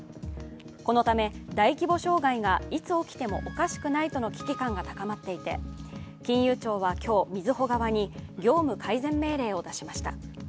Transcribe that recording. このため大規模障害がいつ起きてもおかしくないとの危機感が高まっていて、金融庁は今日、みずほ側に業務改善命令を出しました。